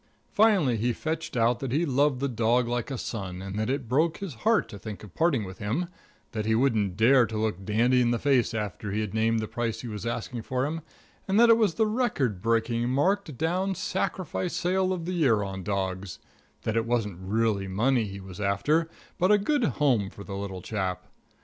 Finally, he fetched out that he loved the dog like a son, and that it broke his heart to think of parting with him; that he wouldn't dare look Dandy in the face after he had named the price he was asking for him, and that it was the record breaking, marked down sacrifice sale of the year on dogs; that it wasn't really money he was after, but a good home for the little chap.